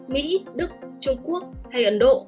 mỹ đức trung quốc hay ấn độ